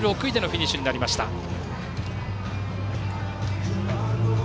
１６位でのフィニッシュになりました。